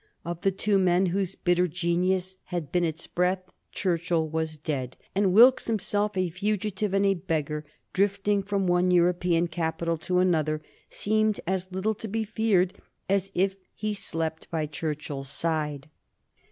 Of the two men whose bitter genius had been its breath, Churchill was dead, and Wilkes himself, a fugitive and a beggar, drifting from one European capital to another, seemed as little to be feared as if he slept by Churchill's side.